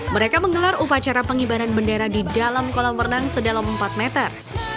mereka menggelar upacara pengibaran bendera di dalam kolam renang sedalam empat meter